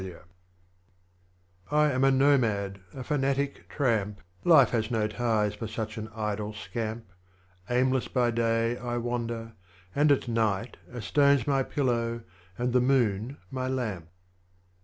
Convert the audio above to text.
M P^ I am a Nomad, a Fanatic Tramp, Life has no ties for such an idle scamp ; Aimless by day I wander, and at night A Stone's my pillow, and the Moon my lamp.